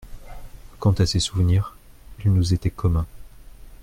Quant à ses souvenirs, ils nous étaient communs.